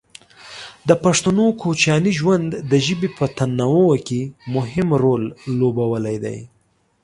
د پښتنو کوچیاني ژوند د ژبې په تنوع کې مهم رول لوبولی دی.